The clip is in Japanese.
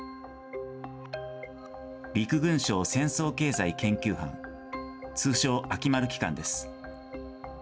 陸軍省戦争経済研究班、通称、秋丸機関です。